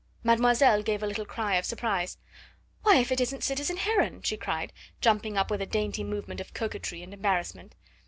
Mademoiselle gave a little cry of surprise. "Why, if it isn't citizen Heron!" she cried, jumping up with a dainty movement of coquetry and embarrassment.